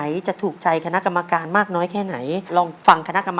นักกรรมการอยู่